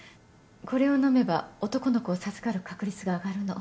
これを飲めば男の子を授かる確率が上がるの。